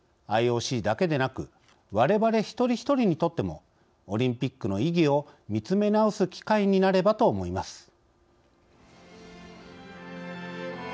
ＩＯＣだけでなくわれわれ一人一人にとってもオリンピックの意義を見つめ直す機会になればと思います。